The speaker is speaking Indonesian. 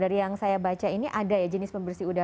dari yang saya baca ini ada ya jenis pembersih udara